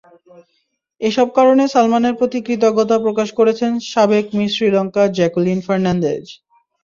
এসব কারণে সালমানের প্রতি কৃতজ্ঞতা প্রকাশ করেছেন সাবেক মিস শ্রীলঙ্কা জ্যাকুলিন ফার্নান্দেজ।